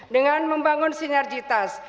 dengan membangun sinergitas